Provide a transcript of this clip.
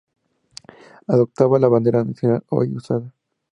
Adoptaba la bandera nacional hoy usada.